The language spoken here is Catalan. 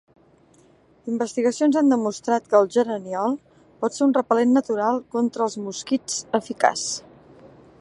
Investigacions han demostrat que el geraniol pot ser un repel·lent natural contra els mosquits eficaç.